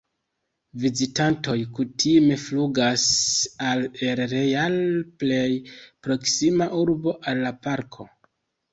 Vizitantoj kutime flugas al El Real, plej proksima urbo al la parko.